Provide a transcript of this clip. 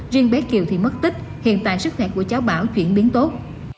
riêng bé kiều thì mất tích hiện tại sức khỏe của cháu bảo chuyển biến tốt